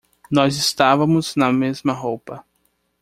Nós estávamos na mesma roupa.